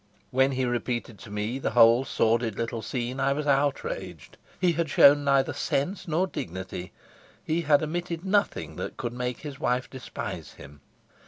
When he repeated to me the whole sordid little scene I was outraged. He had shown neither sense nor dignity. He had omitted nothing that could make his wife despise him.